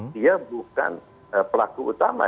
dia bukan pelaku utama